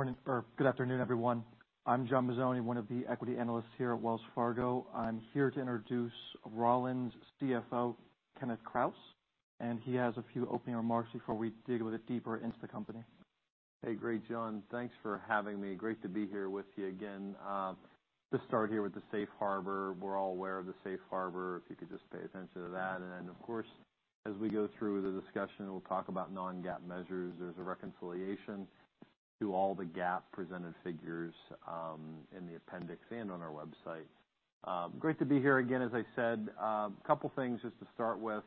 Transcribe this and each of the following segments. Morning, or good afternoon, everyone. I'm John Mazzoni, one of the equity analysts here at Wells Fargo. I'm here to introduce Rollins' CFO, Kenneth Krause, and he has a few opening remarks before we dig a little deeper into the company. Hey, great, John. Thanks for having me. Great to be here with you again. Just start here with the safe harbor. We're all aware of the safe harbor, if you could just pay attention to that. Of course, as we go through the discussion, we'll talk about non-GAAP measures. There's a reconciliation to all the GAAP-presented figures, in the appendix and on our website. Great to be here again, as I said. A couple things just to start with,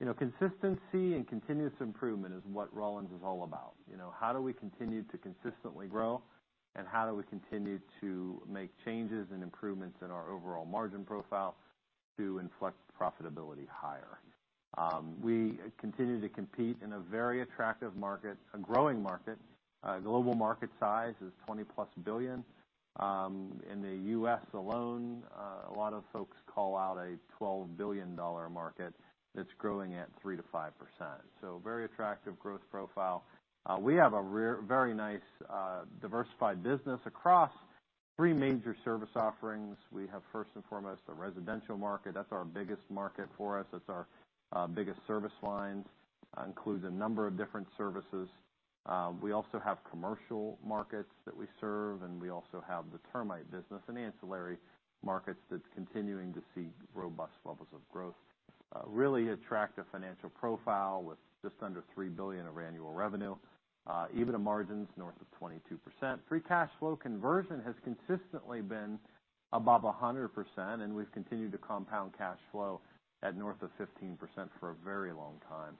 you know, consistency and continuous improvement is what Rollins is all about. You know, how do we continue to consistently grow? How do we continue to make changes and improvements in our overall margin profile to inflect profitability higher? We continue to compete in a very attractive market, a growing market. Global market size is $20-plus billion. In the U.S. alone, a lot of folks call out a $12 billion market that's growing at 3%-5%. Very attractive growth profile. We have a very nice diversified business across three major service offerings. We have, first and foremost, a residential market. That's our biggest market for us. That's our biggest service lines, includes a number of different services. We also have commercial markets that we serve, and we also have the termite business and ancillary markets that's continuing to see robust levels of growth. Really attractive financial profile with just under $3 billion of annual revenue, EBITDA margins north of 22%. Free cash flow conversion has consistently been above 100%, and we've continued to compound cash flow at north of 15% for a very long time.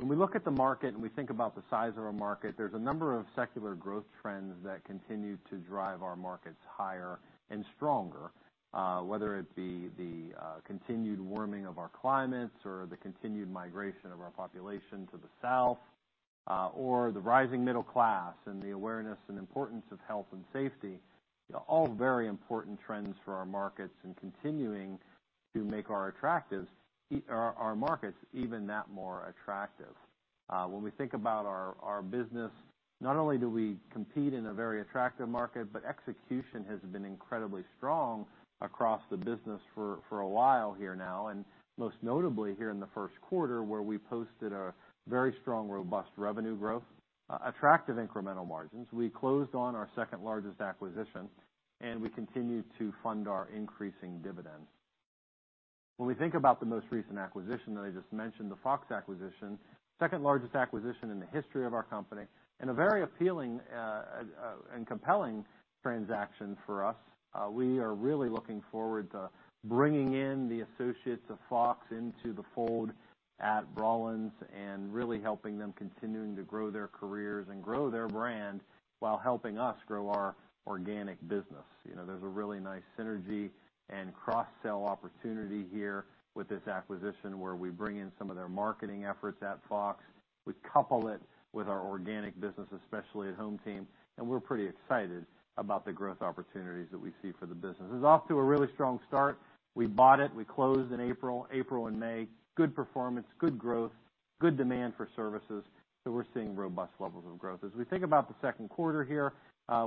When we look at the market, and we think about the size of our market, there's a number of secular growth trends that continue to drive our markets higher and stronger, whether it be the continued warming of our climates or the continued migration of our population to the south, or the rising middle class and the awareness and importance of health and safety. All very important trends for our markets and continuing to make our attractive, our markets even that more attractive. When we think about our business, not only do we compete in a very attractive market, but execution has been incredibly strong across the business for a while here now, and most notably, here in the first quarter, where we posted a very strong, robust revenue growth, attractive incremental margins. We closed on our second-largest acquisition, and we continued to fund our increasing dividend. When we think about the most recent acquisition that I just mentioned, the Fox acquisition, second-largest acquisition in the history of our company, and a very appealing and compelling transaction for us. We are really looking forward to bringing in the associates of Fox into the fold at Rollins and really helping them continuing to grow their careers and grow their brand while helping us grow our organic business. You know, there's a really nice synergy and cross-sell opportunity here with this acquisition, where we bring in some of their marketing efforts at Fox. We couple it with our organic business, especially at HomeTeam, and we're pretty excited about the growth opportunities that we see for the business. It's off to a really strong start. We bought it, we closed in April, and May, good performance, good growth, good demand for services. We're seeing robust levels of growth. As we think about the second quarter here,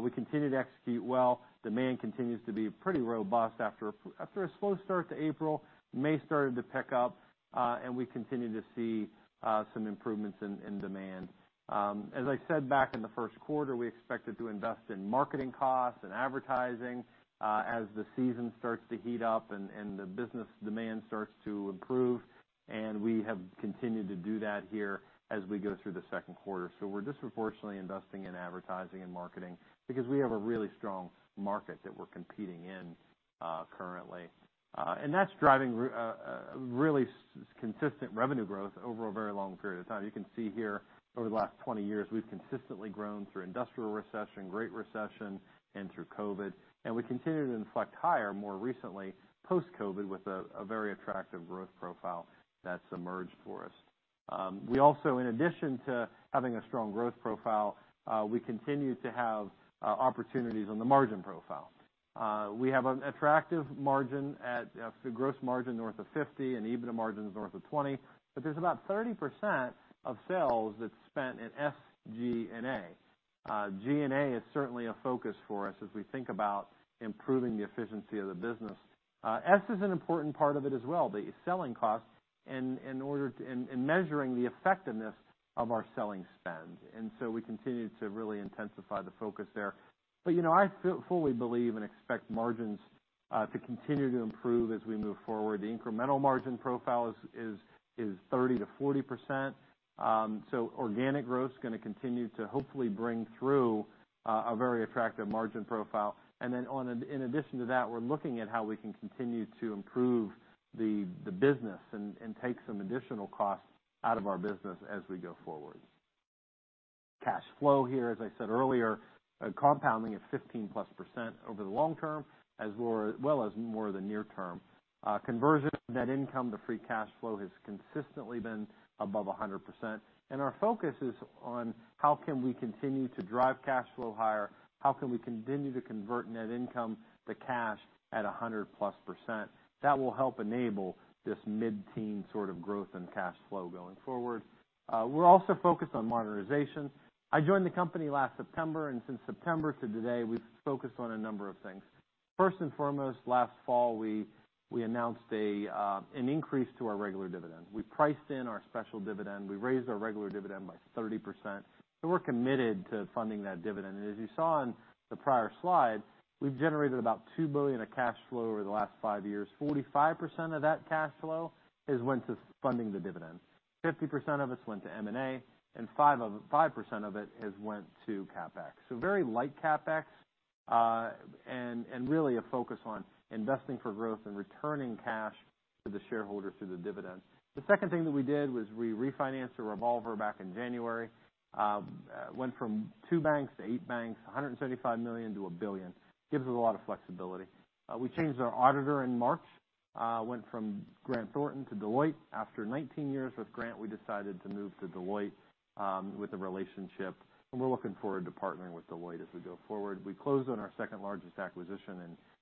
we continue to execute well. Demand continues to be pretty robust after a slow start to April. May started to pick up, and we continue to see some improvements in demand. As I said back in the first quarter, we expected to invest in marketing costs and advertising, as the season starts to heat up and the business demand starts to improve, and we have continued to do that here as we go through the second quarter. We're disproportionately investing in advertising and marketing because we have a really strong market that we're competing in currently. That's driving really consistent revenue growth over a very long period of time. You can see here, over the last 20 years, we've consistently grown through industrial recession, great recession, and through COVID, and we continue to inflect higher, more recently, post-COVID, with a very attractive growth profile that's emerged for us. We also, in addition to having a strong growth profile, we continue to have opportunities on the margin profile. We have an attractive margin, a gross margin north of 50 and EBITDA margins north of 20, there's about 30% of sales that's spent in SG&A. G&A is certainly a focus for us as we think about improving the efficiency of the business. S is an important part of it as well, the selling costs, and in order to... Measuring the effectiveness of our selling spend. We continue to really intensify the focus there. You know, I fully believe and expect margins to continue to improve as we move forward. The incremental margin profile is 30%-40%. Organic growth is gonna continue to hopefully bring through a very attractive margin profile. In addition to that, we're looking at how we can continue to improve the business and take some additional costs out of our business as we go forward. Cash flow here, as I said earlier, compounding at 15+% over the long term, as well as more the near term. Conversion of net income to free cash flow has consistently been above 100%, our focus is on how can we continue to drive cash flow higher? How can we continue to convert net income to cash at 100-plus percent? That will help enable this mid-teen sort of growth in cash flow going forward. We're also focused on modernization. I joined the company last September. Since September to today, we've focused on a number of things. First and foremost, last fall, we announced an increase to our regular dividend. We priced in our special dividend, we raised our regular dividend by 30%, and we're committed to funding that dividend. As you saw on the prior slide, we've generated about $2 billion of cash flow over the last five years. 45% of that cash flow is went to funding the dividend, 50% of it went to M&A, and 5% of it is went to CapEx. Very light CapEx, and really a focus on investing for growth and returning cash to the shareholder through the dividend. The second thing that we did was we refinanced a revolver back in January. Went from two banks to eight banks, $175 million to $1 billion. Gives us a lot of flexibility. We changed our auditor in March, went from Grant Thornton to Deloitte. After 19 years with Grant, we decided to move to Deloitte, with a relationship, and we're looking forward to partnering with Deloitte as we go forward. We closed on our second largest acquisition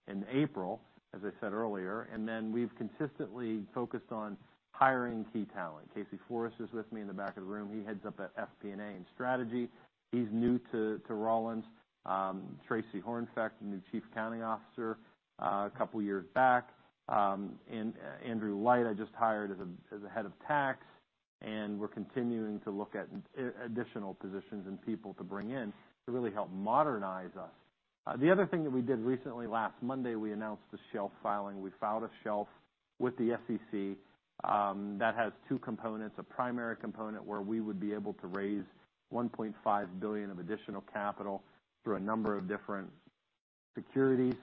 in April, as I said earlier, we've consistently focused on hiring key talent. Casey Forrest is with me in the back of the room. He heads up at FP&A and Strategy. He's new to Rollins. Traci Hornfeck, the new Chief Accounting Officer, a couple years back. Andrew Light, I just hired as a Head of Tax, and we're continuing to look at additional positions and people to bring in to really help modernize us. The other thing that we did recently, last Monday, we announced the shelf filing. We filed a shelf with the SEC that has two components, a primary component, where we would be able to raise $1.5 billion of additional capital through a number of different securities.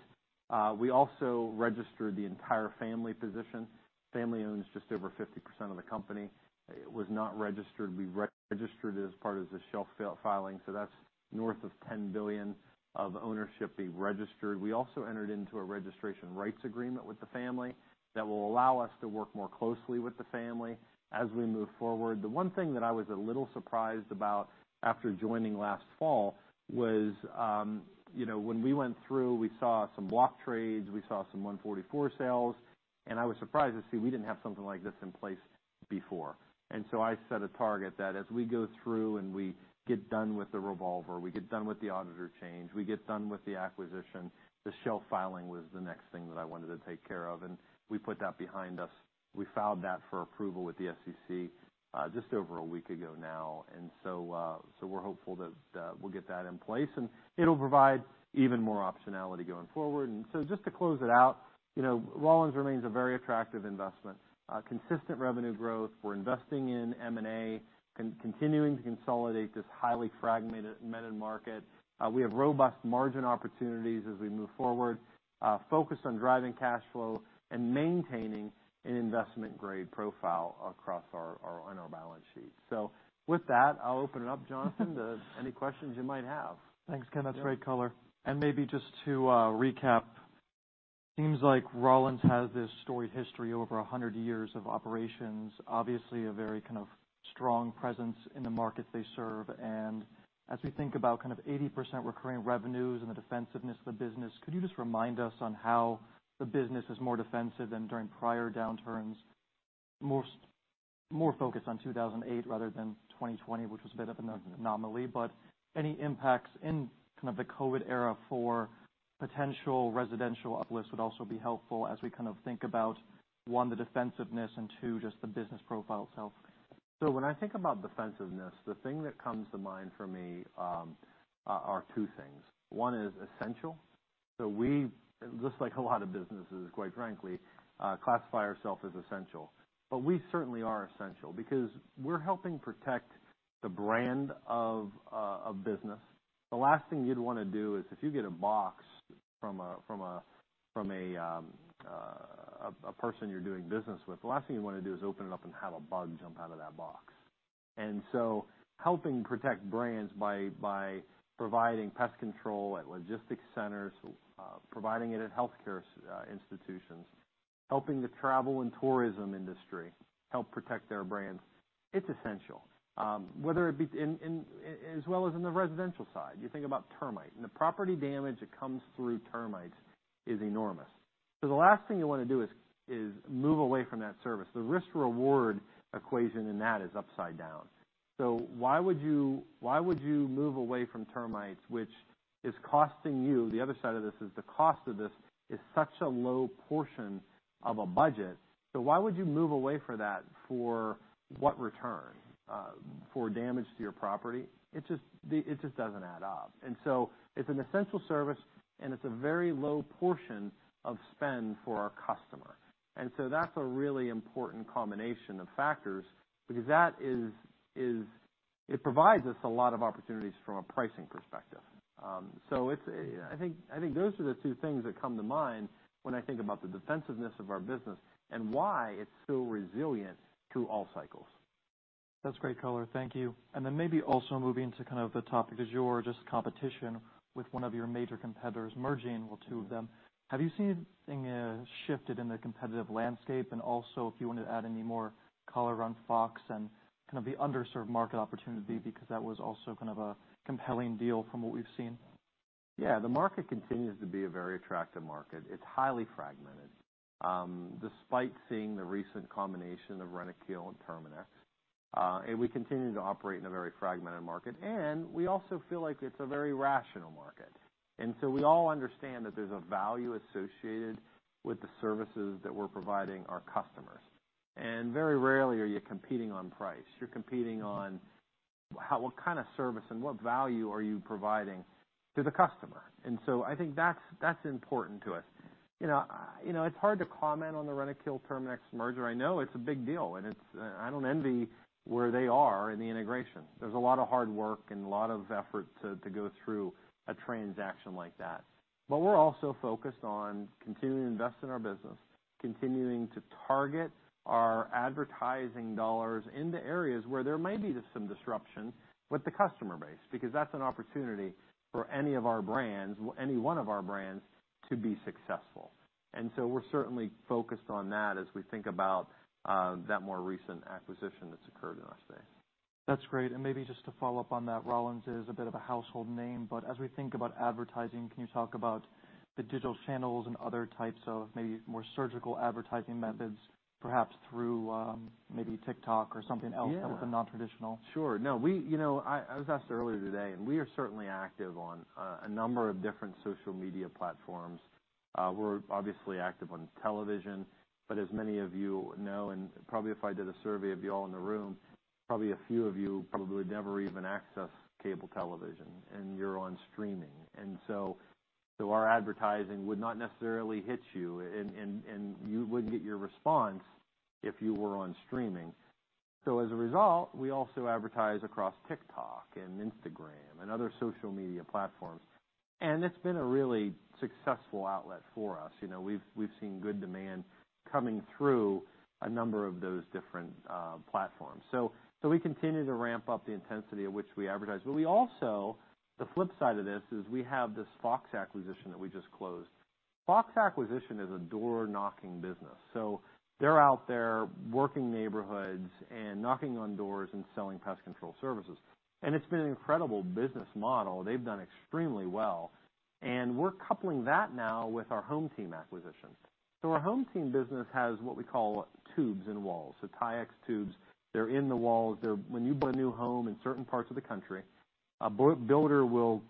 We also registered the entire family position. Family owns just over 50% of the company. It was not registered. We registered it as part of the shelf filing, that's north of $10 billion of ownership being registered. We also entered into a registration rights agreement with the family that will allow us to work more closely with the family as we move forward. The one thing that I was a little surprised about after joining last fall was, you know, when we went through, we saw some block trades, we saw some 144 sales, and I was surprised to see we didn't have something like this in place before. I set a target that as we go through and we get done with the revolver, we get done with the auditor change, we get done with the acquisition, the shelf filing was the next thing that I wanted to take care of, and we put that behind us. We filed that for approval with the SEC just over a week ago now. So we're hopeful that we'll get that in place, and it'll provide even more optionality going forward. Just to close it out, you know, Rollins remains a very attractive investment, consistent revenue growth. We're investing in M&A, continuing to consolidate this highly fragmented market. We have robust margin opportunities as we move forward, focused on driving cash flow and maintaining an investment-grade profile across our on our balance sheet. With that, I'll open it up, John, to any questions you might have. Thanks, Ken. That's great color. Maybe just to recap, seems like Rollins has this storied history over 100 years of operations, obviously a very kind of strong presence in the market they serve. As we think about kind of 80% recurring revenues and the defensiveness of the business, could you just remind us on how the business is more defensive than during prior downturns? More focused on 2008 rather than 2020, which was a bit of an anomaly, but any impacts in kind of the COVID era for potential residential uplifts would also be helpful as we kind of think about, one, the defensiveness, and two, just the business profile itself. When I think about defensiveness, the thing that comes to mind for me are two things. One is essential. We, just like a lot of businesses, quite frankly, classify ourself as essential. We certainly are essential because we're helping protect the brand of a business. The last thing you'd wanna do is, if you get a box from a person you're doing business with, the last thing you wanna do is open it up and have a bug jump out of that box. Helping protect brands by providing pest control at logistics centers, providing it at healthcare institutions, helping the travel and tourism industry help protect their brands, it's essential. Whether it be in, as well as in the residential side, you think about termite, and the property damage that comes through termites is enormous. The last thing you wanna do is move away from that service. The risk-reward equation in that is upside down. Why would you move away from termites, which is costing you? The other side of this is the cost of this is such a low portion of a budget, so why would you move away from that? For what return? For damage to your property? It just doesn't add up. It's an essential service, and it's a very low portion of spend for our customer. That's a really important combination of factors because that is, it provides us a lot of opportunities from a pricing perspective. It's, I think those are the two things that come to mind when I think about the defensiveness of our business and why it's so resilient to all cycles. That's great color. Thank you. Then maybe also moving to kind of the topic, as you were, just competition with one of your major competitors merging with two of them. Have you seen anything shifted in the competitive landscape? Also, if you want to add any more color around Fox and kind of the underserved market opportunity, because that was also kind of a compelling deal from what we've seen? Yeah, the market continues to be a very attractive market. It's highly fragmented. Despite seeing the recent combination of Rentokil and Terminix. We continue to operate in a very fragmented market, and we also feel like it's a very rational market. We all understand that there's a value associated with the services that we're providing our customers. Very rarely are you competing on price. You're competing on what kind of service and what value are you providing to the customer? I think that's important to us. You know, you know, it's hard to comment on the Rentokil Terminix merger. I know it's a big deal, and it's, I don't envy where they are in the integration. There's a lot of hard work and a lot of effort to go through a transaction like that. We're also focused on continuing to invest in our business, continuing to target our advertising dollars in the areas where there may be just some disruption with the customer base, because that's an opportunity for any of our brands, any one of our brands, to be successful. We're certainly focused on that as we think about that more recent acquisition that's occurred in our space. That's great. Maybe just to follow up on that, Rollins is a bit of a household name, but as we think about advertising, can you talk about the digital channels and other types of maybe more surgical advertising methods, perhaps through maybe TikTok or something else? Yeah that was a nontraditional? Sure. You know, I was asked earlier today, and we are certainly active on a number of different social media platforms. We're obviously active on television, but as many of you know, and probably if I did a survey of you all in the room, probably a few of you probably would never even access cable television, and you're on streaming. Our advertising would not necessarily hit you, and you wouldn't get your response if you were on streaming. As a result, we also advertise across TikTok and Instagram and other social media platforms, and it's been a really successful outlet for us. You know, we've seen good demand coming through a number of those different platforms. We continue to ramp up the intensity at which we advertise. We also, the flip side of this is we have this Fox acquisition that we just closed. Fox acquisition is a door-knocking business. They're out there working neighborhoods and knocking on doors and selling pest control services. It's been an incredible business model. They've done extremely well, we're coupling that now with our HomeTeam acquisition. Our HomeTeam business has what we call Tubes in the Wall. Taexx tubes, they're in the walls. When you buy a new home in certain parts of the country, a builder will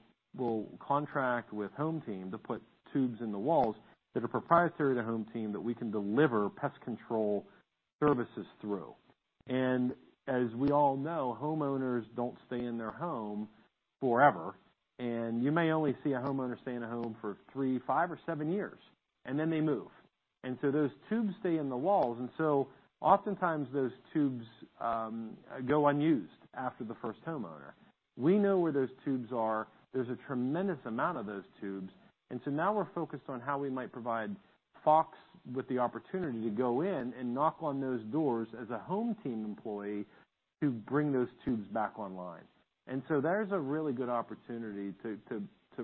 contract with HomeTeam to put Tubes in the Wall that are proprietary to HomeTeam, that we can deliver pest control services through. As we all know, homeowners don't stay in their home forever, and you may only see a homeowner stay in a home for three, five or seven years, and then they move. Those tubes stay in the walls, oftentimes, those tubes go unused after the first homeowner. We know where those tubes are. There's a tremendous amount of those tubes. Now we're focused on how we might provide Fox with the opportunity to go in and knock on those doors as a HomeTeam employee to bring those tubes back online. There's a really good opportunity to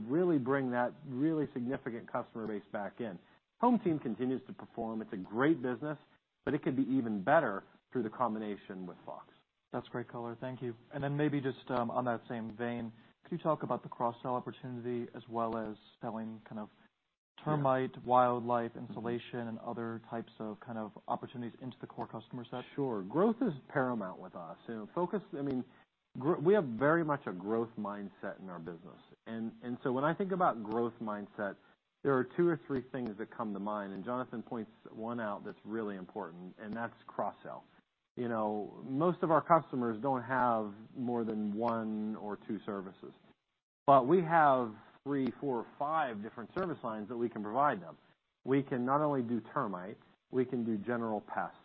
really bring that really significant customer base back in. HomeTeam continues to perform. It's a great business, but it could be even better through the combination with Fox. That's great, color. Thank you. Then maybe just on that same vein, could you talk about the cross-sell opportunity as well as selling? Yeah termite, wildlife, insulation, and other types of kind of opportunities into the core customer set? Sure. Growth is paramount with us. You know, I mean, we have very much a growth mindset in our business. When I think about growth mindset, there are two or three things that come to mind, and Jonathan points one out that's really important, and that's cross-sell. You know, most of our customers don't have more than one or two services, but we have three, four, or five different service lines that we can provide them. We can not only do termite, we can do general pests,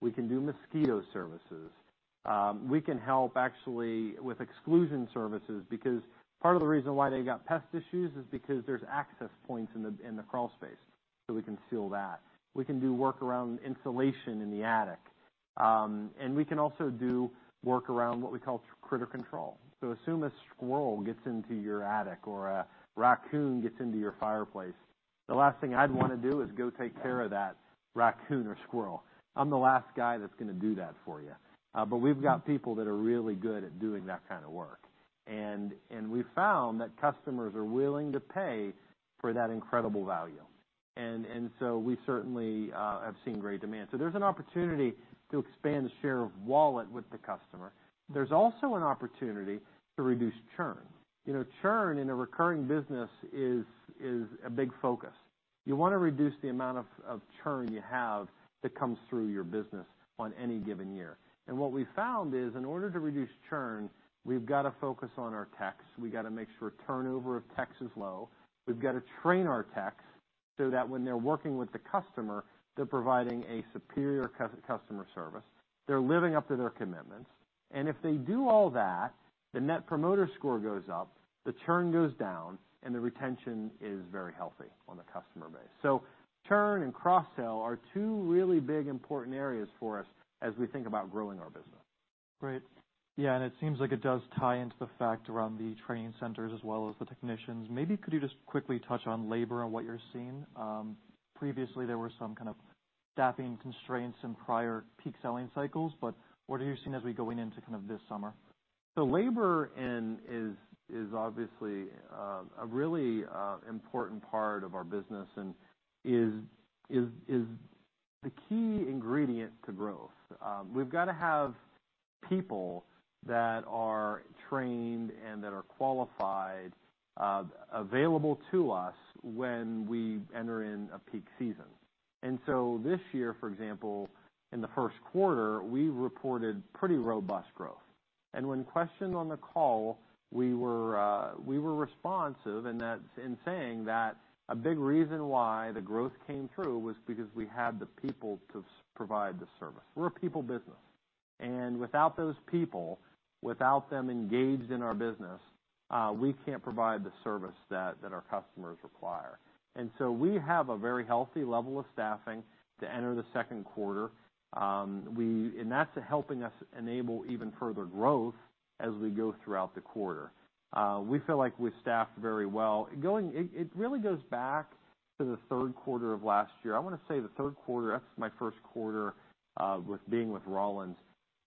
we can do mosquito services, we can help actually with exclusion services, because part of the reason why they got pest issues is because there's access points in the crawl space, so we can seal that. We can do work around insulation in the attic, and we can also do work around what we call Critter Control. Assume a squirrel gets into your attic or a raccoon gets into your fireplace, the last thing I'd want to do is go take care of that raccoon or squirrel. I'm the last guy that's gonna do that for you. We've got people that are really good at doing that kind of work. We found that customers are willing to pay for that incredible value. We certainly have seen great demand. There's an opportunity to expand the share of wallet with the customer. There's also an opportunity to reduce churn. You know, churn in a recurring business is a big focus. You want to reduce the amount of churn you have that comes through your business on any given year. What we found is, in order to reduce churn, we've got to focus on our techs. We've got to make sure turnover of techs is low. We've got to train our techs so that when they're working with the customer, they're providing a superior customer service, they're living up to their commitments. If they do all that, the Net Promoter Score goes up, the churn goes down, and the retention is very healthy on the customer base. Churn and cross-sell are two really big, important areas for us as we think about growing our business. Great. It seems like it does tie into the fact around the training centers as well as the technicians. Maybe could you just quickly touch on labor and what you're seeing? Previously, there were some kind of staffing constraints in prior peak selling cycles, but what are you seeing as we going into kind of this summer?... Labor and is obviously a really important part of our business and is the key ingredient to growth. We've got to have people that are trained and that are qualified available to us when we enter in a peak season. This year, for example, in the first quarter, we reported pretty robust growth. When questioned on the call, we were responsive, and that's in saying that a big reason why the growth came through was because we had the people to provide the service. We're a people business, and without those people, without them engaged in our business, we can't provide the service that our customers require. We have a very healthy level of staffing to enter the second quarter. And that's helping us enable even further growth as we go throughout the quarter. We feel like we've staffed very well. It really goes back to the third quarter of last year. I want to say the third quarter, that's my first quarter, with being with Rollins.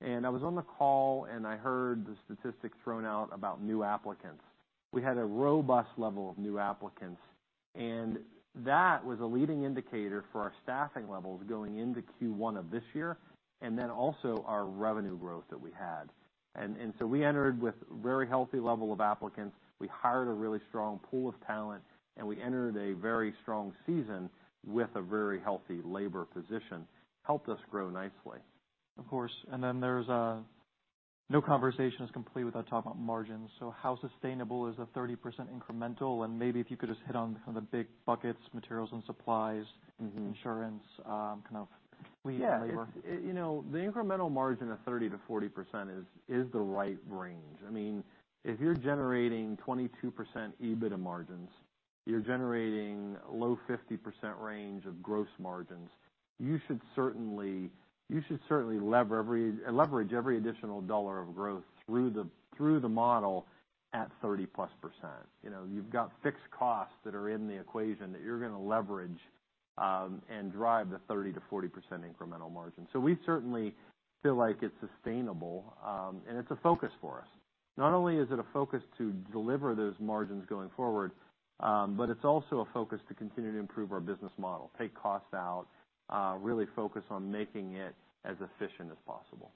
I was on the call, and I heard the statistics thrown out about new applicants. We had a robust level of new applicants, and that was a leading indicator for our staffing levels going into Q1 of this year, and then also our revenue growth that we had. We entered with very healthy level of applicants. We hired a really strong pool of talent, and we entered a very strong season with a very healthy labor position. Helped us grow nicely. Of course. Then there's, no conversation is complete without talking about margins. How sustainable is the 30% incremental? Maybe if you could just hit on kind of the big buckets, materials and supplies. Mm-hmm. insurance, kind of fleet and labor. You know, the incremental margin of 30%-40% is the right range. I mean, if you're generating 22% EBITDA margins, you're generating low 50% range of gross margins, you should certainly leverage every additional $ of growth through the model at 30%+. You know, you've got fixed costs that are in the equation that you're going to leverage and drive the 30%-40% incremental margin. We certainly feel like it's sustainable and it's a focus for us. Not only is it a focus to deliver those margins going forward, but it's also a focus to continue to improve our business model, take costs out, really focus on making it as efficient as possible.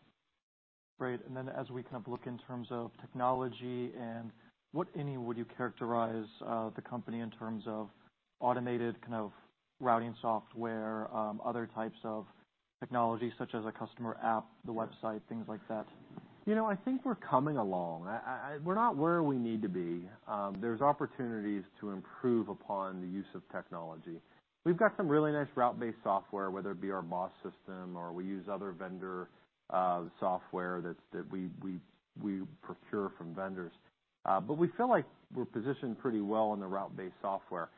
Great. As we kind of look in terms of technology, and what, any, would you characterize the company in terms of automated kind of routing software, other types of technology, such as a customer app, the website, things like that? You know, I think we're coming along. We're not where we need to be. There's opportunities to improve upon the use of technology. We've got some really nice route-based software, whether it be our BOSS system or we use other vendor software that's that we procure from vendors. We feel like we're positioned pretty well in the route-based software.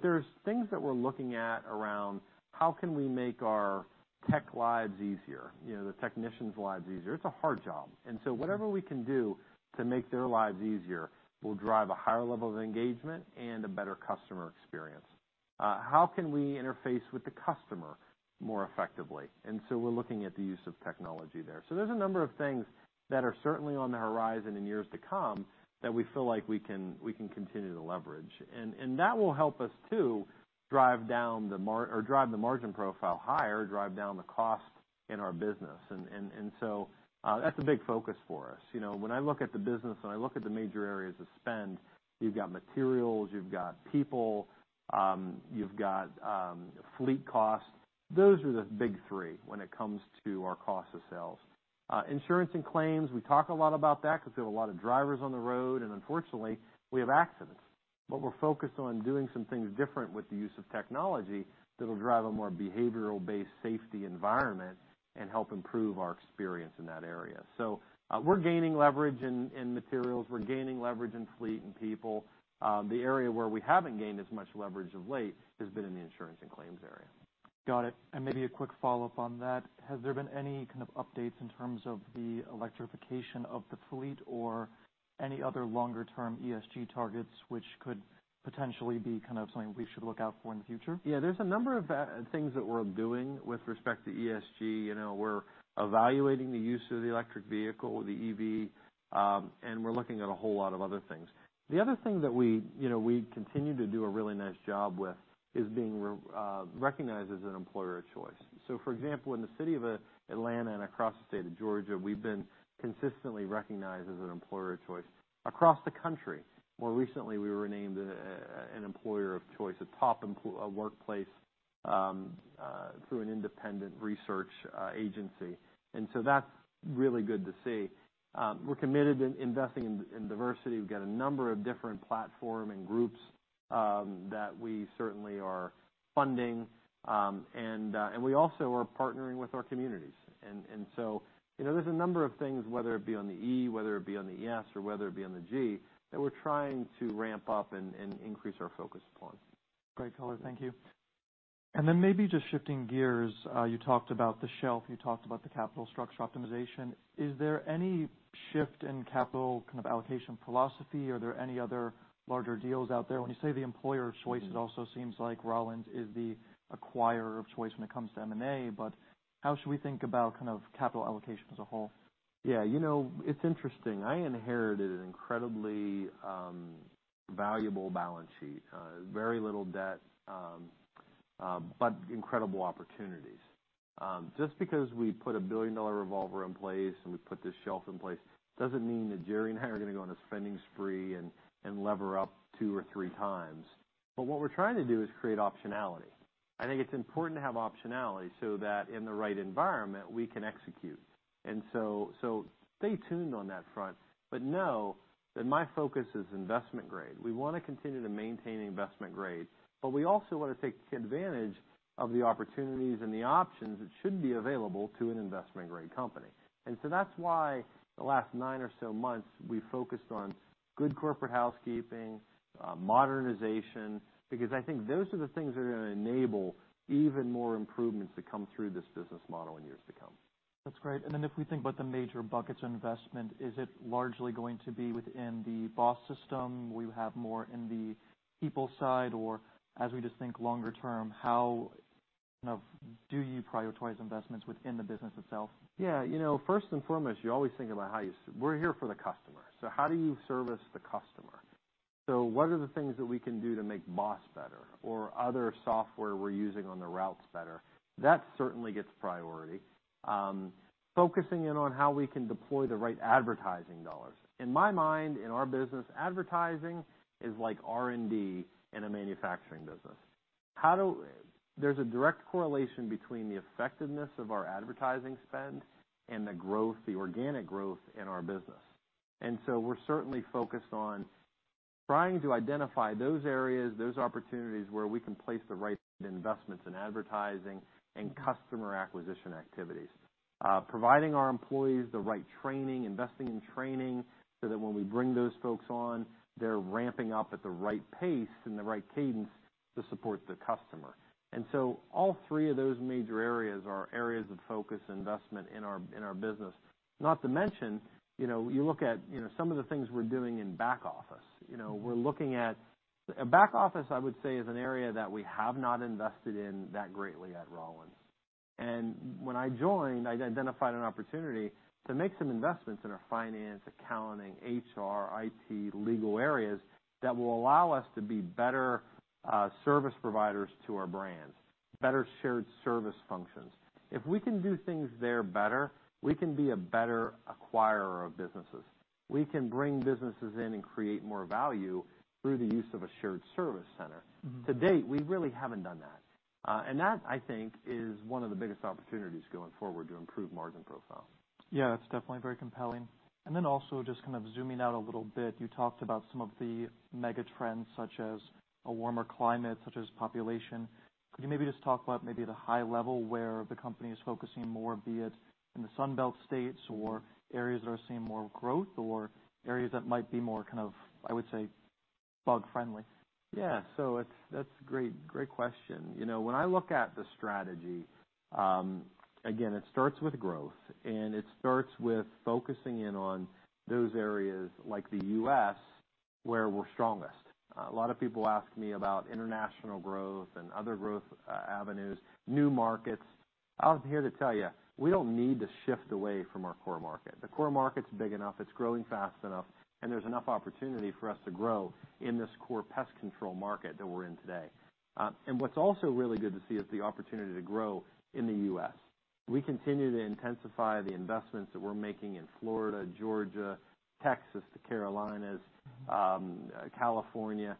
There's things that we're looking at around how can we make our tech lives easier, you know, the technicians' lives easier? It's a hard job. Whatever we can do to make their lives easier, will drive a higher level of engagement and a better customer experience. How can we interface with the customer more effectively? We're looking at the use of technology there. There's a number of things that are certainly on the horizon in years to come that we feel like we can continue to leverage. That will help us too, drive the margin profile higher, drive down the cost in our business. That's a big focus for us. You know, when I look at the business, when I look at the major areas of spend, you've got materials, you've got people, you've got fleet costs. Those are the big three when it comes to our cost of sales. Insurance and claims, we talk a lot about that because we have a lot of drivers on the road, and unfortunately, we have accidents. We're focused on doing some things different with the use of technology that'll drive a more behavioral-based safety environment and help improve our experience in that area. We're gaining leverage in materials. We're gaining leverage in fleet and people. The area where we haven't gained as much leverage of late has been in the insurance and claims area. Got it. Maybe a quick follow-up on that. Has there been any kind of updates in terms of the electrification of the fleet or any other longer-term ESG targets, which could potentially be kind of something we should look out for in the future? Yeah, there's a number of things that we're doing with respect to ESG. You know, we're evaluating the use of the electric vehicle, the EV, and we're looking at a whole lot of other things. The other thing that we, you know, we continue to do a really nice job with is being recognized as an employer of choice. For example, in the city of Atlanta and across the state of Georgia, we've been consistently recognized as an employer of choice across the country. More recently, we were named an employer of choice, a top workplace, through an independent research agency. That's really good to see. We're committed in investing in diversity. We've got a number of different platform and groups, that we certainly are funding, and we also are partnering with our communities. So, you know, there's a number of things, whether it be on the E, whether it be on the S, or whether it be on the G, that we're trying to ramp up and increase our focus upon. Great color. Thank you. Maybe just shifting gears, you talked about the shelf, you talked about the capital structure optimization. Is there any shift in capital kind of allocation philosophy? Are there any other larger deals out there? When you say the employer of choice, it also seems like Rollins is the acquirer of choice when it comes to M&A. How should we think about kind of capital allocation as a whole? Yeah, you know, it's interesting. I inherited an incredibly valuable balance sheet, very little debt, but incredible opportunities. Just because we put a billion-dollar revolver in place and we put this shelf in place, doesn't mean that Jerry and I are gonna go on a spending spree and lever up two or three times. What we're trying to do is create optionality. I think it's important to have optionality so that in the right environment, we can execute. So stay tuned on that front, but know that my focus is investment grade. We wanna continue to maintain investment grade, but we also wanna take advantage of the opportunities and the options that should be available to an investment-grade company. That's why the last nine or so months, we focused on good corporate housekeeping, modernization, because I think those are the things that are gonna enable even more improvements to come through this business model in years to come. That's great. Then if we think about the major buckets of investment, is it largely going to be within the BOSS system, will you have more in the people side, or as we just think longer term, how, kind of, do you prioritize investments within the business itself? You know, first and foremost, you always think about how we're here for the customer. How do you service the customer? What are the things that we can do to make BOSS better or other software we're using on the routes better? That certainly gets priority. Focusing in on how we can deploy the right advertising dollars. In my mind, in our business, advertising is like R&D in a manufacturing business. There's a direct correlation between the effectiveness of our advertising spend and the growth, the organic growth in our business. We're certainly focused on trying to identify those areas, those opportunities, where we can place the right investments in advertising and customer acquisition activities. Providing our employees the right training, investing in training, so that when we bring those folks on, they're ramping up at the right pace and the right cadence to support the customer. All three of those major areas are areas of focus investment in our, in our business. Not to mention, you know, you look at, you know, some of the things we're doing in back office. You know, we're looking at Back office, I would say, is an area that we have not invested in that greatly at Rollins. When I joined, I identified an opportunity to make some investments in our finance, accounting, HR, IT, legal areas, that will allow us to be better service providers to our brands, better shared service functions. If we can do things there better, we can be a better acquirer of businesses. We can bring businesses in and create more value through the use of a shared service center. Mm-hmm. To date, we really haven't done that. That, I think, is one of the biggest opportunities going forward to improve margin profile. Yeah, that's definitely very compelling. Also, just kind of zooming out a little bit, you talked about some of the mega trends, such as a warmer climate, such as population. Could you maybe just talk about maybe at a high level, where the company is focusing more, be it in the Sun Belt states or areas that are seeing more growth or areas that might be more kind of, I would say, bug-friendly? Yeah. That's a great question. You know, when I look at the strategy, again, it starts with growth, it starts with focusing in on those areas, like the U.S., where we're strongest. A lot of people ask me about international growth and other growth avenues, new markets. I'm here to tell you, we don't need to shift away from our core market. The core market's big enough, it's growing fast enough, there's enough opportunity for us to grow in this core pest control market that we're in today. What's also really good to see is the opportunity to grow in the U.S. We continue to intensify the investments that we're making in Florida, Georgia, Texas, the Carolinas, California,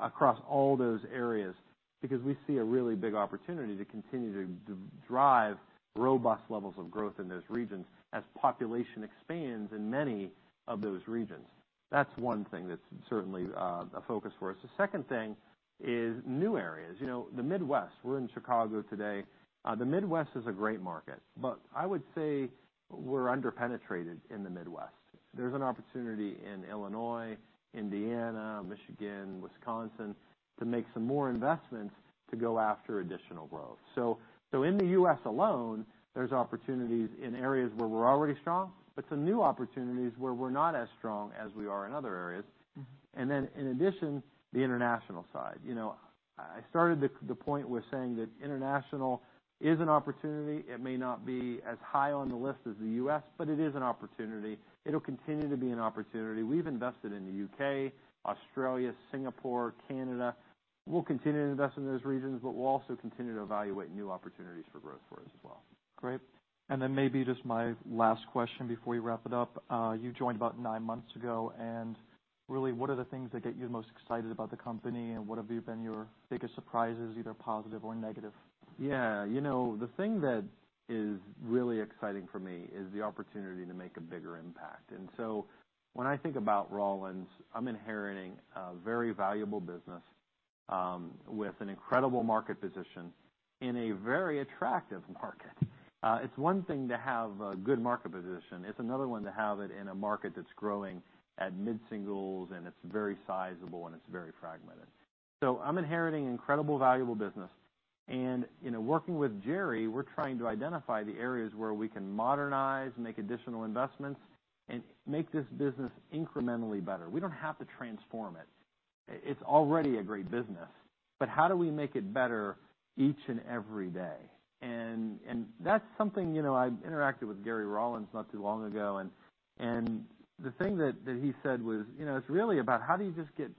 across all those areas, because we see a really big opportunity to continue to drive robust levels of growth in those regions as population expands in many of those regions. That's one thing that's certainly a focus for us. The second thing is new areas. You know, the Midwest, we're in Chicago today. The Midwest is a great market, but I would say we're under-penetrated in the Midwest. There's an opportunity in Illinois, Indiana, Michigan, Wisconsin, to make some more investments to go after additional growth. In the U.S. alone, there's opportunities in areas where we're already strong, but some new opportunities where we're not as strong as we are in other areas. Mm-hmm. In addition, the international side. You know, I started the point with saying that international is an opportunity. It may not be as high on the list as the U.S., but it is an opportunity. It'll continue to be an opportunity. We've invested in the U.K., Australia, Singapore, Canada. We'll continue to invest in those regions, but we'll also continue to evaluate new opportunities for growth for us as well. Great. Maybe just my last question before we wrap it up. You joined about nine months ago. Really, what are the things that get you the most excited about the company, and what have been your biggest surprises, either positive or negative? Yeah, you know, the thing that is really exciting for me is the opportunity to make a bigger impact. When I think about Rollins, I'm inheriting a very valuable business with an incredible market position in a very attractive market. It's one thing to have a good market position. It's another one to have it in a market that's growing at mid-singles, and it's very sizable, and it's very fragmented. I'm inheriting incredible, valuable business. You know, working with Jerry, we're trying to identify the areas where we can modernize, make additional investments, and make this business incrementally better. We don't have to transform it. It's already a great business, but how do we make it better each and every day? That's something... You know, I interacted with Gary Rollins not too long ago, and the thing that he said was, "You know, it's really about how do you just get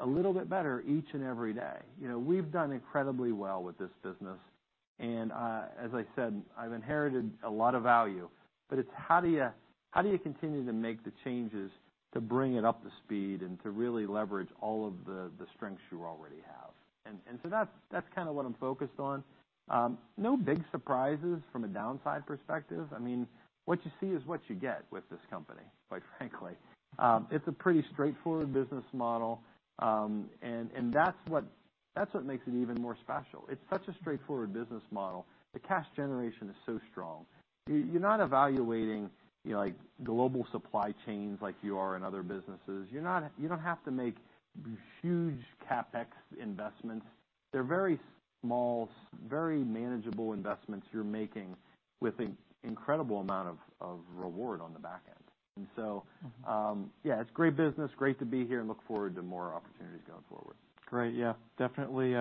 a little bit better each and every day?" You know, we've done incredibly well with this business, and as I said, I've inherited a lot of value, but it's how do you continue to make the changes to bring it up to speed and to really leverage all of the strengths you already have? So that's kind of what I'm focused on. No big surprises from a downside perspective. I mean, what you see is what you get with this company, quite frankly. It's a pretty straightforward business model, and that's what makes it even more special. It's such a straightforward business model. The cash generation is so strong. You're not evaluating, you know, like, global supply chains like you are in other businesses. You don't have to make huge CapEx investments. They're very small, very manageable investments you're making with an incredible amount of reward on the back end. Yeah, it's great business, great to be here and look forward to more opportunities going forward. Great. Yeah, definitely,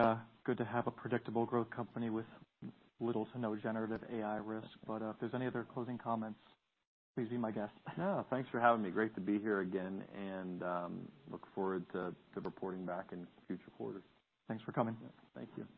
good to have a predictable growth company with little to no generative AI risk, but, if there's any other closing comments, please be my guest. No, thanks for having me. Great to be here again, and look forward to reporting back in future quarters. Thanks for coming. Thank you.